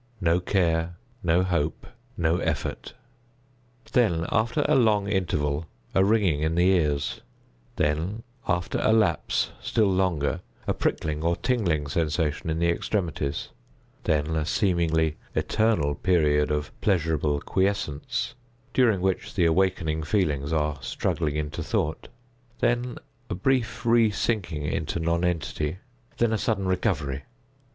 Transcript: No care—no hope—no effort. Then, after a long interval, a ringing in the ears; then, after a lapse still longer, a prickling or tingling sensation in the extremities; then a seemingly eternal period of pleasurable quiescence, during which the awakening feelings are struggling into thought; then a brief re sinking into non entity; then a sudden recovery.